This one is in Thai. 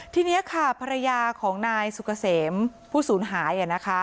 ทีนี้ค่ะภรรยาของนายสุกเกษมผู้สูญหาย